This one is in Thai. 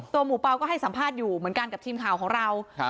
หมูเปล่าก็ให้สัมภาษณ์อยู่เหมือนกันกับทีมข่าวของเรา